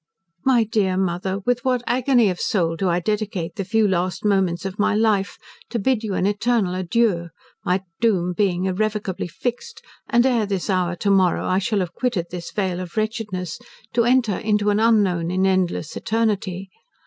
"My dear mother! with what agony of soul do I dedicate the few last moments of my life, to bid you an eternal adieu! my doom being irrevocably fixed, and ere this hour to morrow I shall have quitted this vale of wretchedness, to enter into an unknown and endless eternity.